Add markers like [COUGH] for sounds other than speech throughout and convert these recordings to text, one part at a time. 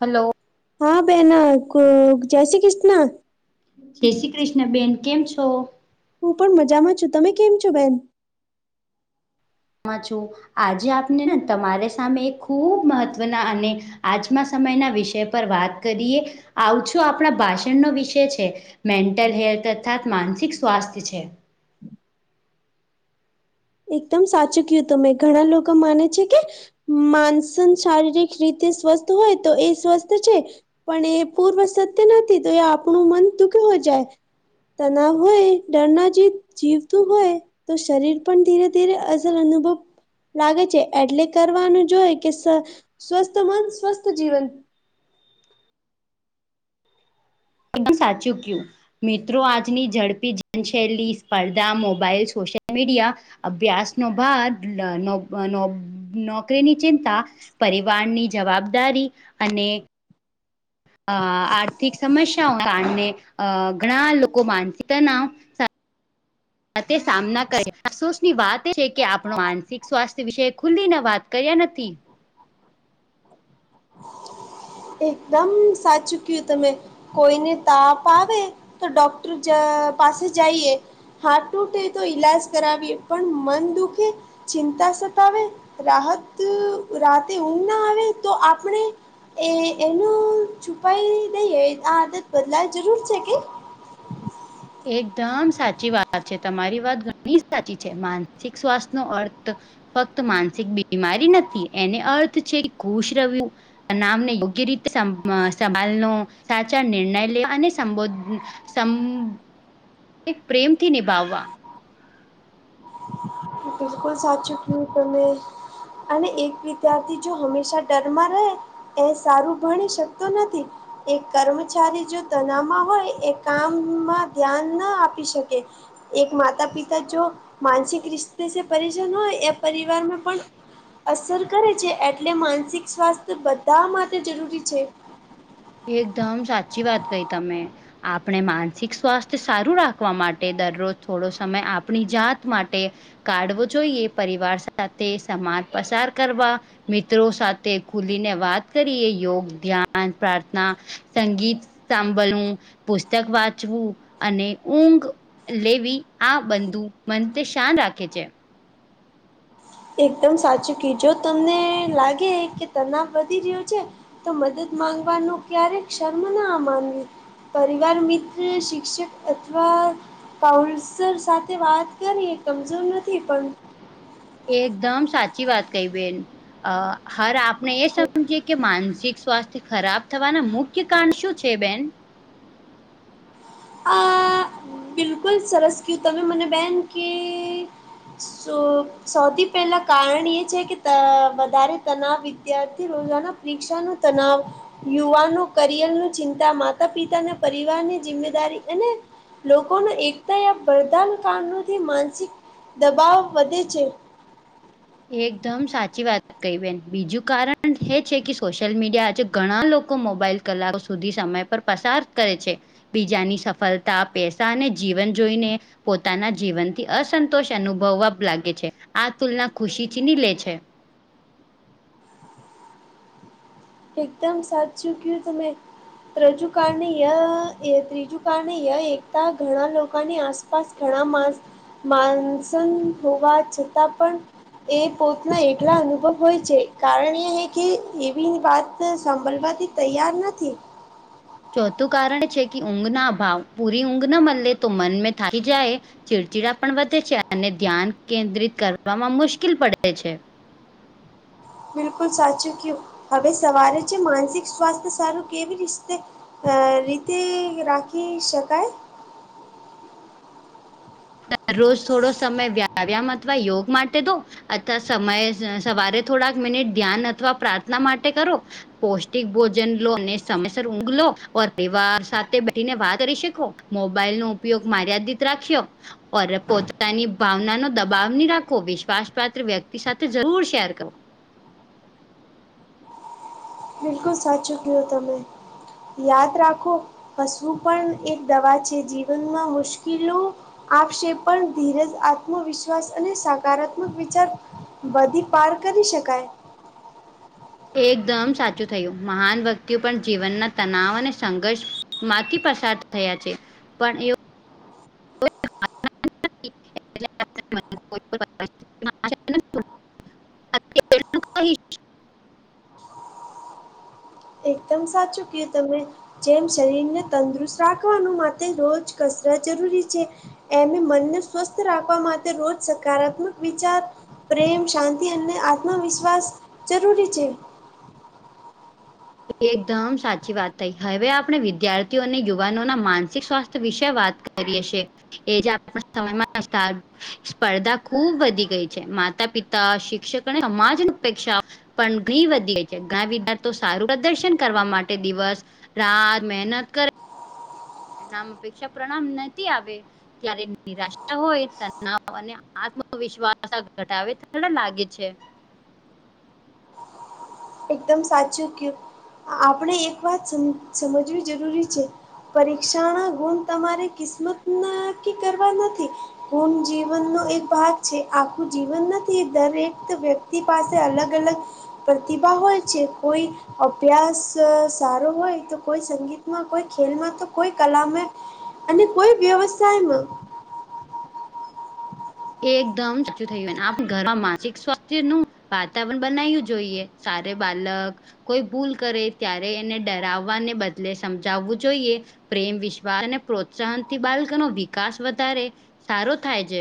Hello હા, બેહેન ક જય શ્રી કિશન જય શ્રી કૃષ્ણ બેન કેમ છો? હું પણ મજા માં છું, તમે કેમ છો બેન? મજામાં છું. આજે આપણે તમારી સામે ખૂબ મહત્વના અને આજમા સમયના વિષય પર વાત કરીએ, આવુ છું આપણા ભાષણનો વિષય છે. મેન્ટલ હેલ્થ અર્થાત માનસિક સ્વાસ્થ્ય છે. એકદમ સાચું ક્યું તમે ઘણા લોકો માને છે કે માનસન શારીરિક રીતે સ્વસ્થ હોય તો એ સ્વસ્થ છે. પણ એ પૂર્વ સત્ય નથી તો, એ આપણું મન દુઃખ હો જાય. તનાવ હોય, ડર ના જ જીવતું હોય તો શરીર પણ ધીરે-ધીરે અ જલ અનુભવ લાગે છે એટલે કરવાનું જ હું, કે સ્વ, સ્વસ્થ મન સ્વસ્થ જીવન. એકદમ સાચું કીયુ મિત્રો આજની ઝડપી જીનશૈલી સ્પર્ધા મોબાઈલ, સોશિયલ મીડિયા અભ્યાસ નો ભાગ, ડનો ભનો, નોકરીની ચિંતા પરિવારની જવાબદારી અને અ આર્થિક સમસ્યાઓ ના કારણે અ ઘણા લોકો માનસિક તનાવ તે સામના કર અફસોસની વાત એ છે કે આપણ માનસિક સ્વાસ્થ્ય વિશે ખુલીને વાત કર્યા નથી. એકદમ સાચું ક્યો તમે. કોઈને તાપ આવે તો ડોક્ટર જ પાસે જાઈએ. હાથ તૂટે તો ઈલાજ કરાવીએ પણ મન દુખે ચિંતા સતાવે રાહત રાતે ઊંઘ ના આવે તો આપણે એ એનું છુપાઈ દઈએ આ આદત બદલાય જરૂર છે કે એકદમ સાચી વાત છે તમારી વાત ઘણી સાચી છે માનસિક સ્વાસ્થનો અર્થ ફક્ત માનસિક બીમારી નથી એને અર્થ છે ખુશ રેવું. નામને યોગ્ય રીતે સં સંભાલનો સાચા નિર્ણય લેવા અને સંબોધન સંમ પ્રેમથી નિભાવવા બિલકુલ સાચુ કહ્યુ તમે. અને એક વિદ્યાર્થી જો હંમેશા ડરમાં રે એ સારું ભણી શકતો નથી. એક કર્મચારી જો તનાવમાં હોય એ કામમાં ધ્યાન ન આપી શકે. એક માતા-પિતા જો માનસિક રિશ્તે સે પરેશાન હોય એ પરિવારમાં પણ અસર કરે છે એટલે માનસિક સ્વાસ્થ્ય બધ્ધા માટે જરૂરી છે. એકદમ સાચ્ચી વાત કહી તમે. આપણે માનસિક સ્વાસ્થ્ય સારું રાખવા માટે દરરોજ થોડો સમય આપણી જાત માટે કાડવો જોઈએ પરિવાર સાથે સમાજ પસાર કરવા મિત્રો સાથે ખુલીને વાત કરીએ યોગ, ધ્યાન, પ્રાર્થ ના, સંગીત સાંભળવું, પુસ્તક વાંચવું અને ઊંઘ લેવી આ બંધુ મનથી શાન રાખે છે. એકદમ સાચું ક્યો જો તમને લાગે કે તનાવ વધી રીયો છે. તો મદદ માંગવાનું ક્યારેક સર્મ ના માનવી. પરિવાર મિત્ર શિક્ષક અથવા પાઉલસર સાથે વાત કરીએ કમજોર નથી પણ એકદમ સાચી વાત કહી બેન, અ હર આપને એ સમજીએ કે માનસિક સ્વાસ્થ્ય ખરાબ થવાના મુખ્ય કારણ શું છે બેન? આ બિલકુલ સરસ ક્યું તમે મને બેન કેય. સો સૌથી પેલા કારણ એ છે કે ત વધારે તનાવ વિદ્યાર્થી રોજાના રિક્ષાનુ તનાવ યુવાનો કરિયરનું ચિંતા, માતા-પિતાના પરિવારની જિમ્મેદારી અને પણ એકતા યા વરદાન કારણોથી માનસિક દબાવ વધે છે. એકદમ સાચી વાત કહી બેન, બીજું કારણ એ છે કે સોશિયલ મીડિયા આજે ઘણા લોકો મોબાઈલ કલાકો સુધી સમય પર પસાર કરે છે. બીજાની સફલતા પૈસા અને જીવન જોઈને પોતાના જીવનથી અસંતોષ અનુભવવા અબ લાગે છે, આ તુલના ખુશીથીની લે છે. એકદમ સાચું ક્યું તમે. ત્રજુ કારણે ય એ ત્રીજું કારણેય એકતા ઘણા લોકાની આસ આસપાસ ઘણા માસણ માનસન હોવા છતાં પણ છે એ કોઈના એકલા અનુભવ હોય છે કારણ એ હે કે એવી વાત હું સાંભળવાથી તૈયાર નથી. ચોથું કારણ છે કે ઊંઘના અભાવ પૂરી ઊંઘ ન મલેે તો મન મેં થાકી જાય. ચીડચીડા પણ વધે છે અને ધ્યાન કેન્દ્રિત કરવામાં મુશ્કીલ પડે છે. બિલકુલ સાચું કયું હવે સવારે છે માનસિક સ્વાસ્થ્ય સારું કેવી રીતે અ રીતે રાખી શકાય? દરરોજ થોડો સમય વ્યાયામ અથવા યોગ માટે દો અથવા સમય સવારે થોડાક મિનિટ ધ્યાન અથવા પ્રાર્થના માટે કરો, પૌષ્ટિક ભોજન લો અને સમયસર ઊંઘ લો પરિવાર સાથે બેઠીને વાત કરી શખો, મોબાઈલનો ઉપયોગ માર્યાદિત રાખ્યો, પર પોતાની ભાવનાનો દબાવ નહી રાખો વિશ્વાસપાત્ર વ્યક્તિ સાથે જરૂર શેર કરો. બિલકુલ સાચું કયું તમે. યાદ રાખો હસવું પણ એક દવા છે જીવનમાં મુશકીલો આવશેે પણ ધીરજ આત્મવિશ્વાસ અને સકારાત્મક વિચાર બધી પાર કરી શકાય. એકદમ સાચું થયું. મહાન વ્યક્તિઓ પણ જીવનના તનાવ અને સંઘર્ષ માંથી પસાર થયા છે પણ એયો [INAUDIBLE] [INAUDIBLE] [INAUDIBLE] એકદમ સાચું કીધું મેં. જેમ શરીરને તંદુરસ્ત રાખવાનું માતે રોજ કસરત જરૂરી છે. એમભી મનને સ્વસ્થ રાખવા માટે રોજ સકારાત્મક વિચાર, પ્રેમ, શાંતિ અને આત્મવિશ્વાસ જરૂરી છે. એકદમ સાચી વાત થઈ. હવે આપણે વિદ્યાર્થીઓ અને યુવાનોના માનસિક સ્વાસ્થ્ય વિશે વાત ક રી લેશે. એજ આપણા સમયમાં [UNINTELLIGIBLE] સ્પર્ધા ખુબ વધી ગઈ છે. માતા-પિતા, શિક્ષક અને સમાજપેક્ષા પણ [UNINTELLIGIBLE] વધી ગઈ છે ઘણા વિધાર્થીઓ સારું પ્રદર્શન કરવા માટે દિવસ-રાત મહેનત કરે નામ અપેક્ષા પ્રણામ નથી આવે ત્યારે નિરાશા હોય તનાવ અને આત્મવિશ્વાસ ઘટાવે ખડા લાગે છે. એકદમ સાચું કીયુ. આપણે એક વાત સમ સમજવી જરૂરી છે. પરીક્ષાના ગુણ તમારે કિસ્મત નાકી કરવા નથી. ગુણ જીવનનો એક ભાગ છે. આખું જીવન નથી દરેક વ્યક્તિ પાસે અલગ-અલગ પ્રતિભા હોય છે કોઈ અભ્યાસ સારો હોય તો કોઈ સંગીતમાં, કોઈ ખેલમાં તો કોઈ કલામાં અને કોઈ વ્યવસાયમાં એકદમ સાચું થયુ ને આપ ઘરમાં માનસિક સ્વાસ્થ્યનું વાતાવરણ બનાયુ જોઈએ. સારે બાલક કોઈ ભૂલ કરે ત્યારે એને ડરાવવાને બદલે સમજાવવું જોઈએ. પ્રેમ, વિશ્વાસ અને પ્રોત્સાહનથી બાળકનો વિકાસ વધારે સારો થાય છે.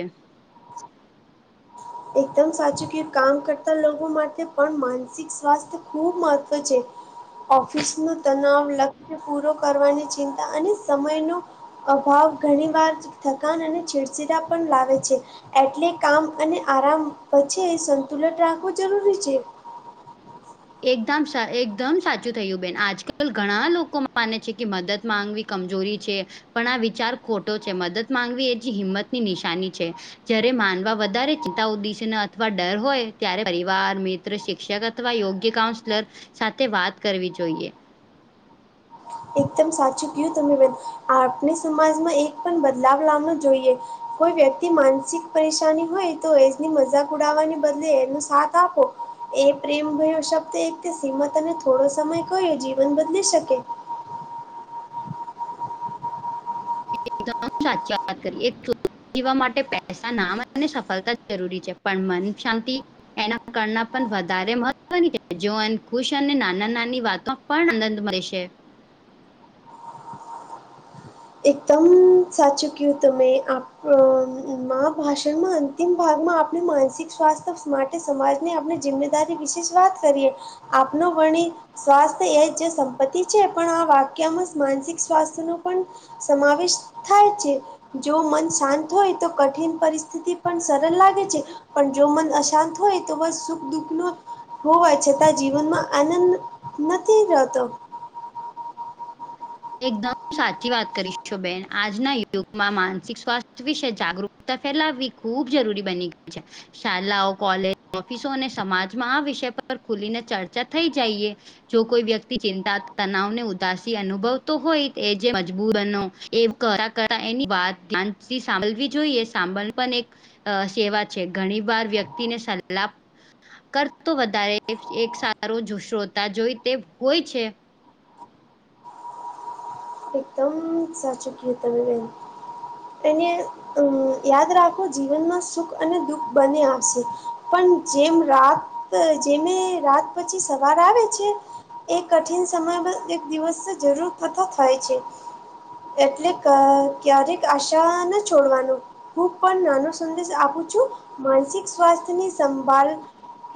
એકદમ સાચું કે કામ કરતા લોકો માટે પણ માનસિક સ્વાસ્થ ખૂબ મહત્વ છે. ઓફિસનો તનાવ, લક્ષ્ય પૂરો કરવાની ચિંતા અને સમયનો અભાવ ઘણી વાર થકાન અને છીડછીડા પણ લાવે છે એટલે કામ અને આરામ વચ્ચે સંતુલન રાખવું જરૂરી છે. એકદમ સા એકદમ સાચું થયું બેન આજકાલ ઘણા લોકો માને છે કે મદદ માંગવી કમજોરી છે પણ આ વિચાર ખોટો છે મદદ માંગવી એ જ હિંમતની નિશાની છે. જયારે માનવા વધારે ચિંતા ઉદદિશ અથવા ડર હોય ત્યારે પરિવાર, મિત્ર, શિક્ષક અથવા યોગ્ય કે કાઉન્સલર સાથે વાત કરવી જોઈએ એકદમ સાચું કીયું તમે બેન. આપણે સમાજમાં એક પણ બદલાવ લાવનો જોઈએ. કોઈ વ્યક્તિ માનસિક પરેશાની હોય તો એની મજાક ઉડાવવાને બદલે એનો સાથ આપો એ પ્રેમ ભયો શબ્દ એક તે સીમત અને થોડો સમય કયો જીવન બદલી શકે. [UNINTELLIGIBLE] જીવવા માટે પૈસા નામ અને સફલતા જરૂરી છે, પણ મનની શાંતિ એના કરના પણ વધારે મહત્વની. જો અન ખુશ અને નાના નાની વાતો પણ આનંદમય છે. એકદમ સાચું ક્યુ તમે. આપ અ મા ભાષણમાં અંતિમ ભાગમાં આપણે માનસિક સ્વાસ્થ સ્માર્ટ સમાજની આપણે જિમ્મેદારી વિશે જ વાત કરીએ. આપનો વણી સ્વાસ્થ્ય એ જ સંપત્તિ છે, પણ આ વાક્યમાં માનસિક સ્વાસ્થ્ય નું પન સમાવેશ થાય છે. જો મન શાંત હોય, તો કઠિન પરિસ્થિતિ પણ સરળ લાગે છે. પણ જો મન અશાંત હોય તો બસ સુખ દુઃખનો હોવા છતાં જીવનમાં આનંદ નથી રહેતો. એકદમ સાચી વાત કરી છો બેન. આજના યુગમાં માનસિક સ્વાસ્થ્ય વિશે જાગરુક તા ફેલાવવી ખૂબ જરૂરી બની ગઈ છે. શાલાઓ કોલેજ ઓફિસો અને સમાજમાં આ વિષય પર ખુલીને ચર્ચા થઈ જઈએ. જો કોઈ વ્યક્તિ ચિંતા તનાવને ઉદાસી અનુભવ તુ હોય એ જે મજબૂર બનો એ કરતા કરતા એની વાત શાંતિથી સાંભલવી જોઈએ. સાંબલ પણ એક અ સેવા છે. ઘણી વાર વ્યક્તિને સલા કર તો વધારે એક સારું શ્રોતા જોઈ તે હોય છે. એકદમ સાચું કીયુ તમે બેન. અને અમ યાદ રાખો જીવનમાં સુખ અને દુઃખ બને આવશે, પણ જેમ રાત ત જેમે રાત પછી સવાર આવે છે એ કઠિન સમય બ એક દિવસ તો જરૂર તતો થાય છે. એટલે ક ક્યારેક આશા ન છોડવાનું. હું પણ નાનો સંદેશ આપું છું. માનસિક સ્વાસ્થ્યની સંભાલ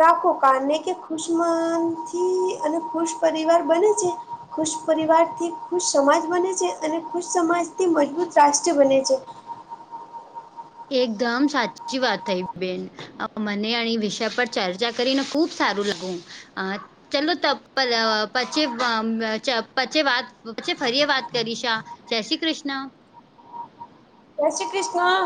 રાખો, કારને કે ખુશમનથી અને ખુશ પરિવાર બને છે. ખુશ પરિવાર થી ખુશ સમાજ બને છે. અને ખુશ સમાજ થી મજબૂત રાષ્ટ્ર બને છે. એકદમ સાચી વાત થઈ બેન. મને આઈ વિષય પર ચર્ચા કરીને ખુબ સારું લાગું. અં ચલો ત પર પછી અં ચ પછી વાત પછી ફરીએ વાત કરીશ હાં. જય શ્રી કૃષ્ણ. જય શ્રી કૃષ્ણ.